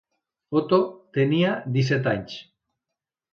Otó tenia disset anys.